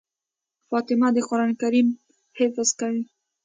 فاطمه د قرآن کريم حفظ کوي.